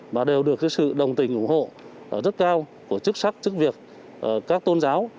mà đều được sự đồng tình ủng hộ rất cao của chức sắc chức việc các tôn giáo